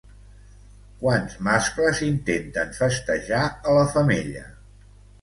Quants mascles intenten festejar a la femella?